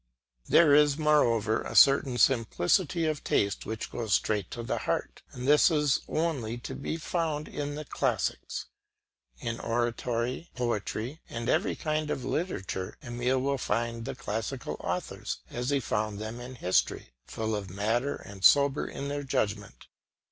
There is, moreover, a certain simplicity of taste which goes straight to the heart; and this is only to be found in the classics. In oratory, poetry, and every kind of literature, Emile will find the classical authors as he found them in history, full of matter and sober in their judgment.